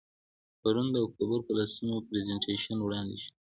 پرون د اکتوبر په لسمه، پرزنټیشن وړاندې شو.